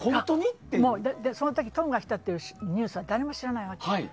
その時、トムが来たってニュースは誰も知らないわけ。